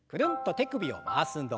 手首を回す運動。